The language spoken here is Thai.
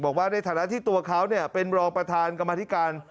บอกว่าในฐานะที่ตัวเขาเป็นรองประธานกรรมธิการ